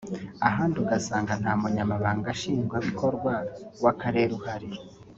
ahandi ugasanga nta Munyamabanga Nshingwabikorwa w’Akarere uhari